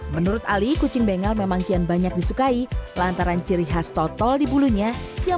menurut ali kucing bengal memang kian banyak disukai lantaran ciri khas totol di bulunya yang